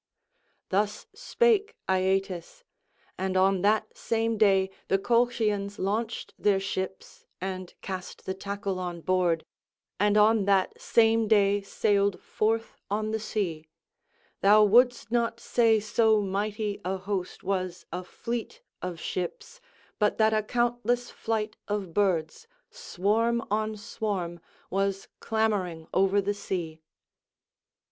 Thus spake Aeetes; and on that same day the Colchians launched their ships and cast the tackle on board, and on that same day sailed forth on the sea; thou wouldst not say so mighty a host was a fleet of ships, but that a countless flight of birds, swarm on swarm, was clamouring over the sea.